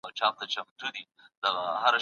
خپل عورت مو خوندي کړئ، خو نه له خپل زوج څخه